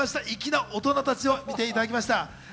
粋な大人たちを見ていただきました。